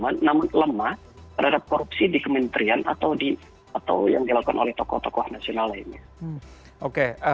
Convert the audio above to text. namun lemah terhadap korupsi di kementerian atau yang dilakukan oleh tokoh tokoh nasional lainnya